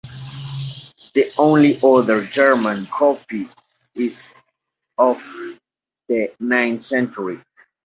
The only other German copy is of the ninth century.